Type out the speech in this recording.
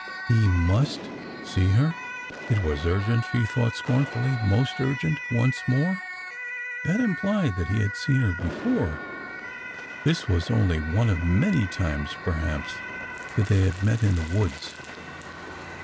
" He must see her." ... It was urgent, she thought scornfully, — most urgent !...'' Once more." ... That implied that he had seen her before. ... This was only one of many times, perhaps, that they had met in the woods.